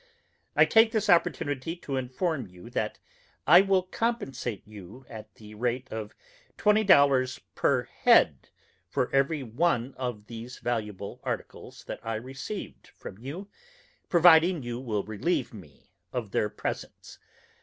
I take this opportunity to inform you that I will compensate you at the rate of $20 per head for every one of these valuable articles that I received from you, providing you will relieve me of their presence.